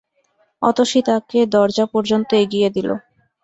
অতসী তাঁকে দরজা পর্যন্ত এগিয়ে দিল।